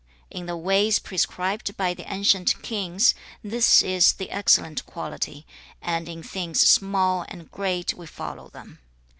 In the ways prescribed by the ancient kings, this is the excellent quality, and in things small and great we follow them. 2.